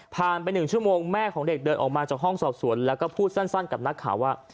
ไป๑ชั่วโมงแม่ของเด็กเดินออกมาจากห้องสอบสวนแล้วก็พูดสั้นกับนักข่าวว่า